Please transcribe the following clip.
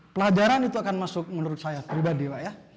pelajaran itu akan masuk menurut saya pribadi pak ya